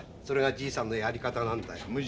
それがじいさんのやり方なんだよ。